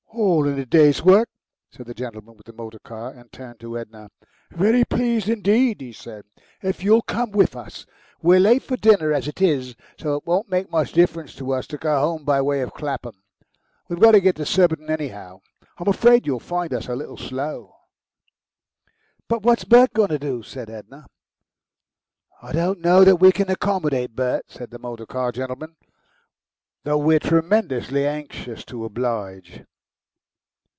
"All in the day's work," said the gentleman with the motor car, and turned to Edna. "Very pleased indeed," he said, "if you'll come with us. We're late for dinner as it is, so it won't make much difference for us to go home by way of Clapham. We've got to get to Surbiton, anyhow. I'm afraid you'll find us a little slow." "But what's Bert going to do?" said Edna. "I don't know that we can accommodate Bert," said the motor car gentleman, "though we're tremendously anxious to oblige."